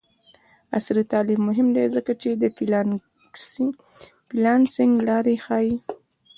عصري تعلیم مهم دی ځکه چې د فریلانسینګ لارې ښيي.